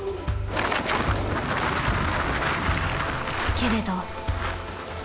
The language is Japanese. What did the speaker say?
［けれど］